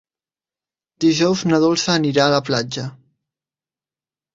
Dijous na Dolça anirà a la platja.